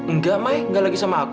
enggak mai nggak lagi sama aku